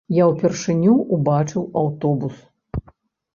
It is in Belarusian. Я ўпершыню ўбачыў аўтобус.